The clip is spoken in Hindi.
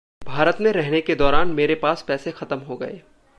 भारत में रहने के दौरान मेरे पास पैसे खतम हो गए।